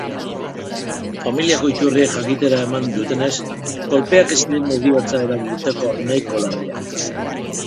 Familiako iturriek jakitera eman dutenez, kolpeak ez ziren heriotza eragiteko nahikoa larriak.